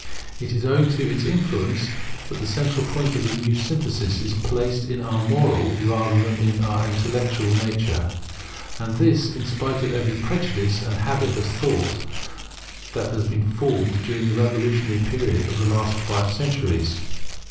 It is owing to its influence that the central point of the new synthesis is placed in our moral rather than our intellectual nature; and this, in spite of every prejudice and habit of thought that has been formed during the revolutionary period of the last five centuries.